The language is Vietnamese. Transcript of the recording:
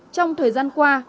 trong thời gian qua